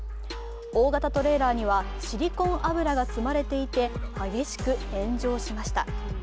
大型トレーラーにはシリコン油が積まれていて激しく炎上しました。